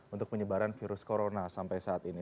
untuk penyebaran virus corona sampai saat ini